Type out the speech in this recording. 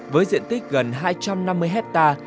với diện tích gần hai trăm năm mươi hectare